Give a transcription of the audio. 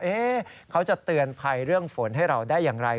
เขาจะเตือนภัยเรื่องฝนให้เราได้อย่างไร